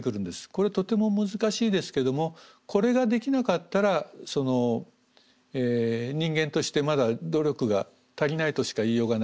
これとても難しいですけどもこれができなかったら人間としてまだ努力が足りないとしか言いようがない。